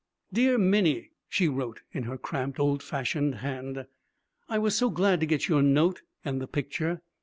'Dear Minnie,' she wrote in her cramped, old fashioned hand, 'I was so glad to get your note and the picture.